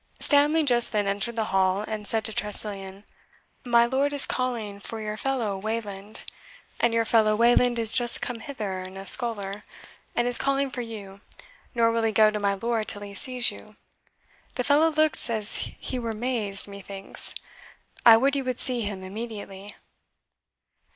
Stanley just then entered the hall, and said to Tressilian, "My lord is calling for your fellow Wayland, and your fellow Wayland is just come hither in a sculler, and is calling for you, nor will he go to my lord till he sees you. The fellow looks as he were mazed, methinks; I would you would see him immediately."